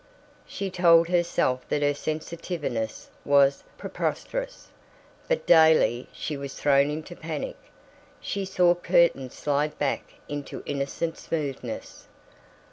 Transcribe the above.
She told herself that her sensitiveness was preposterous, but daily she was thrown into panic. She saw curtains slide back into innocent smoothness.